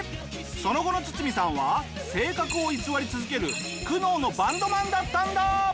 その後のツツミさんは性格を偽り続ける苦悩のバンドマンだったんだ！